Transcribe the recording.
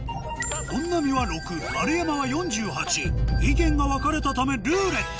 本並は「６」丸山は「４８」意見が分かれたため「ルーレット」